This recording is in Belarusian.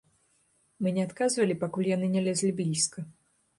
Мы не адказвалі, пакуль яны не лезлі блізка.